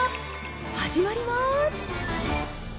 始まります。